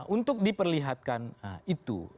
untuk diperlihatkan itu